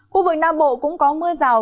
khu vực nam bộ cũng có mưa rào